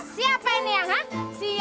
siapa ini yang menurusi dia